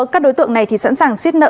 các đối tượng này sẵn sàng xiết nợ